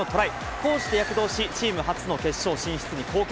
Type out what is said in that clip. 攻守で躍動し、チーム初の決勝進出に貢献。